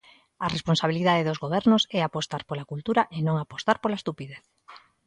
A responsabilidade dos gobernos é apostar pola cultura e non apostar pola estupidez.